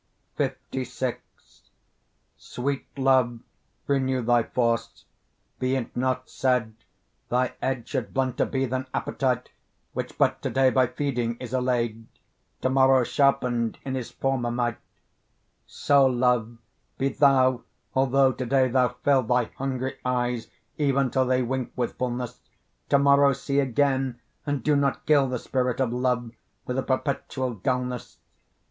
LVI Sweet love, renew thy force; be it not said Thy edge should blunter be than appetite, Which but to day by feeding is allay'd, To morrow sharpened in his former might: So, love, be thou, although to day thou fill Thy hungry eyes, even till they wink with fulness, To morrow see again, and do not kill The spirit of love, with a perpetual dulness.